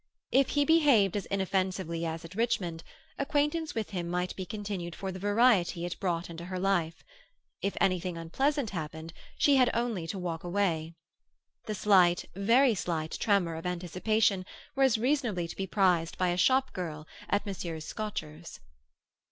If he behaved as inoffensively as at Richmond, acquaintance with him might be continued for the variety it brought into her life. If anything unpleasant happened, she had only to walk away. The slight, very slight, tremor of anticipation was reasonably to be prized by a shop girl at Messrs. Scotcher's.